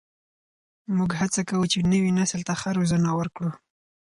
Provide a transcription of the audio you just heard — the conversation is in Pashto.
موږ هڅه کوو چې نوي نسل ته ښه روزنه ورکړو.